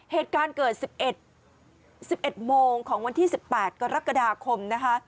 เหตุการณ์เกิด๑๑๑๑โมงของวันที่๑๘กรกฎาคมนะคะ